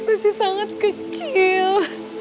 bagus pasti sangat kecil